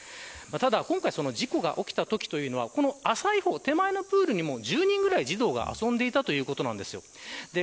今回、事故が起きたときは浅い方、手前のプールにも１０人ぐらい児童が遊んでいたということです。